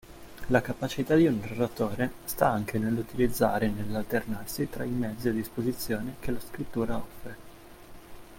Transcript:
La capacità di un narratore sta anche nell'utilizzare e nell'alternarsi tra i mezzi a disposizione che la scrittura offre.